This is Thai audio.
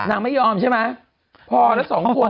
นางไม่ยอมใช่ไหมพอแล้วสองคน